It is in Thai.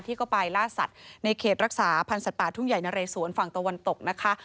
เข้าไปล่าสัตว์ในเขตรักษาพันธ์สัตว์ป่าทุ่งใหญ่นะเรสวนฝั่งตะวันตกนะคะ